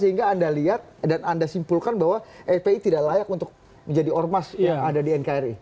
sehingga anda lihat dan anda simpulkan bahwa fpi tidak layak untuk menjadi ormas yang ada di nkri